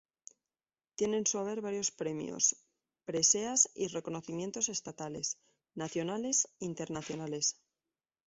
Tiene en su haber varios premios, preseas y reconocimientos estatales, nacionales e internacionales.